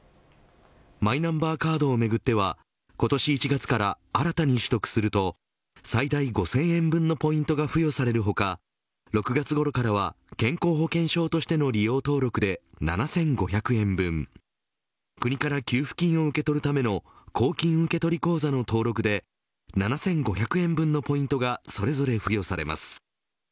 マイナンバーカードをめぐっては今年１月から、新たに取得すると最大５０００円分のポイントが付与される他６月ごろからは健康保険証としての利用登録で７５００円分国から給付金を受け取るための公金受取口座の登録で７５００円分のポイントがそれぞれ付与されます。